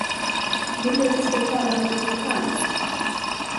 Vill du, att jag skall tala med direktören?